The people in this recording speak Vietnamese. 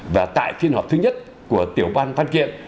và tại phiên họp thứ nhất của tiểu ban văn kiện